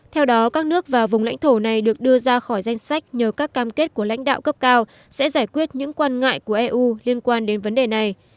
theo đó các nước và vùng lãnh thổ này được đưa ra khỏi danh sách nhờ các cam kết của lãnh đạo cấp cao sẽ giải quyết những quan ngại của eu liên quan đến vấn đề này